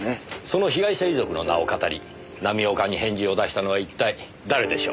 その被害者遺族の名をかたり浪岡に返事を出したのは一体誰でしょう？